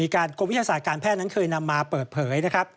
กรมวิทยาศาสตร์การแพทย์นั้นเคยนำมาเปิดเผยนะครับ